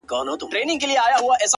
نو دا په ما باندي چا كوډي كړي،